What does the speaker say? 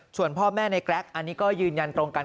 ส่วนพ่อแม่ในแกรกอันนี้ก็ยืนยันตรงกัน